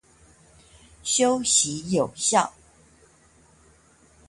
休息有效